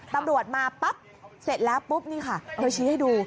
ตำรวจมาปั๊บเสร็จแล้วปุ๊บนี่ค่ะเธอชี้ให้ดู